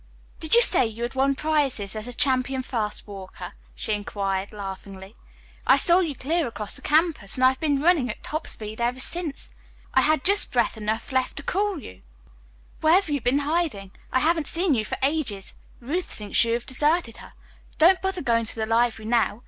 "Did you say you had won prizes as a champion fast walker?" she inquired laughingly. "I saw you clear across the campus, and I've been running at top speed ever since. I had just breath enough left to call to you. Where have you been hiding? I haven't seen you for ages. Ruth thinks you have deserted her. Don't bother going to the library now.